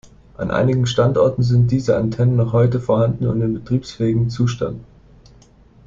An einigen Standorten sind diese Antennen noch heute vorhanden und in betriebsfähigen Zustand.